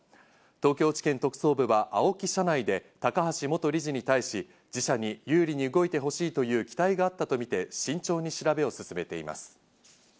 東京地検特捜部はＡＯＫＩ社内で高橋元理事に対し、自社に有利に動いてほしいという期待があったとみて慎重に調べを進めています。